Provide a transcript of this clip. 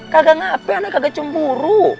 kagak ngapih ana kagak cemburu